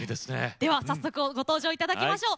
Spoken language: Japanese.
では早速ご登場頂きましょう。